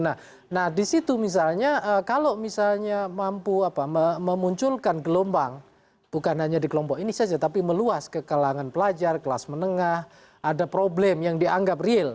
nah di situ misalnya kalau misalnya mampu memunculkan gelombang bukan hanya di kelompok ini saja tapi meluas ke kalangan pelajar kelas menengah ada problem yang dianggap real